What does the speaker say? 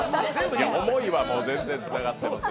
思いは全然つながってる。